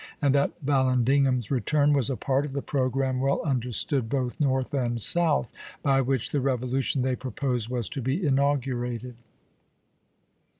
And that Vallandigham's return was a part of the progi amme well understood both North and South, by which the revolution they propose was to be inaugurated.